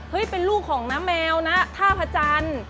เป็นลูกของน้าแมวนะท่าพระจันทร์